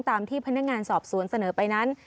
ตามที่พนักงานสอบสวนเสนอไปนั้น